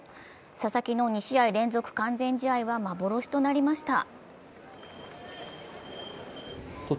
佐々木の２試合連続完全試合は幻となりました。